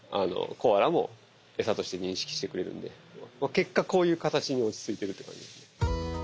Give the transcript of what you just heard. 結果こういう形に落ち着いているって感じですね。